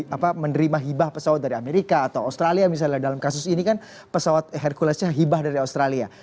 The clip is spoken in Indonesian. apa menerima hibah pesawat dari amerika atau australia misalnya dalam kasus ini kan pesawat herculesnya hibah dari australia